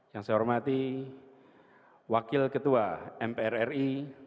yang saya hormati wakil ketua mprri